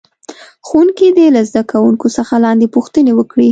ښوونکی دې له زده کوونکو څخه لاندې پوښتنې وکړي.